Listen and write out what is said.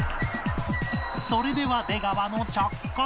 それでは出川の着火